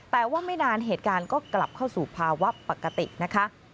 แต่ว่าไม่นานเหตุการณ์ก็กลับเข้าสู่ภาวะปกตินะคะ